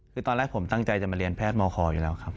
คือตอนแรกผมตั้งใจจะมาเรียนแพทย์มคอยู่แล้วครับ